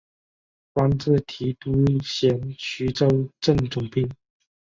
官至提督衔徐州镇总兵。